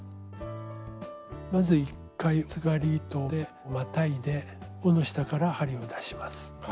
まず１回つがり糸でまたいで緒の下から針を出します。